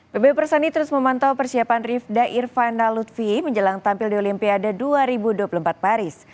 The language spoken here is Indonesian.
pb persani terus memantau persiapan rivda irvana lutfi menjelang tampil di olimpiade dua ribu dua puluh empat paris